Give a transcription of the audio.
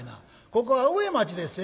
ここは上町でっせ」。